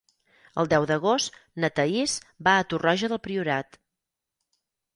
El deu d'agost na Thaís va a Torroja del Priorat.